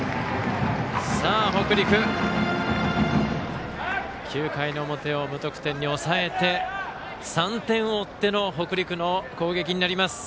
さあ北陸９回表を無得点に抑えて３点を追っての北陸の攻撃になります。